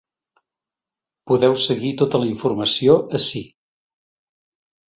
Podeu seguir tota la informació ací.